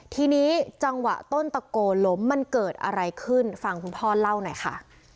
ทีนี้จังหวะต้นตะโกล้มมันเกิดอะไรขึ้นฟังคุณพ่อเล่าหน่อยค่ะ